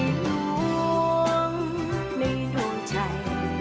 นี่คือในหลวงในหลวงใจ